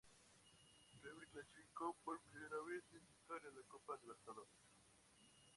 River clasificó por primera vez en su historia a la Copa Libertadores.